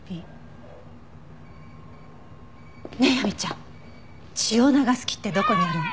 ねえ亜美ちゃん血を流す木ってどこにあるの？